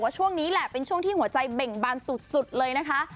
ช่วงนี้แหละเป็นช่วงที่หัวใจเบ่งบานสุดเลยนะคะ